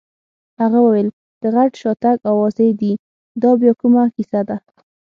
هغه وویل: د غټ شاتګ اوازې دي، دا بیا کومه کیسه ده؟